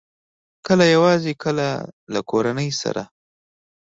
کله یوازې، کله کورنۍ سره